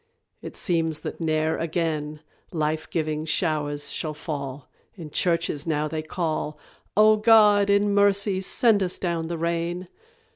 It seems that ne'er again Life giving showers shall fall. In churches now they call, "O God, in mercy, send us down the rain!"